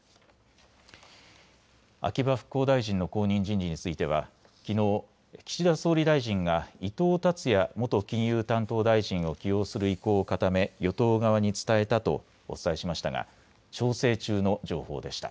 秋葉復興大臣の後任人事についてはきのう岸田総理大臣が伊藤達也元金融担当大臣を起用する意向を固め与党側に伝えたとお伝えしましたが調整中の情報でした。